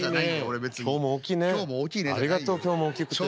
ありがとう今日も大きくてね。